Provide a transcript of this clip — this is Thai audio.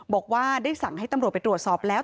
บอกว่าได้สั่งให้ตำรวจไปตรวจสอบแล้ว